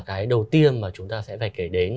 cái đầu tiên mà chúng ta sẽ phải kể đến